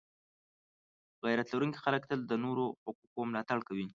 غیرت لرونکي خلک تل د نورو د حقونو ملاتړ کوي.